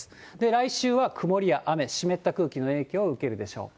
来週は曇りや雨、湿った空気の影響を受けるでしょう。